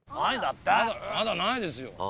まだないですよ。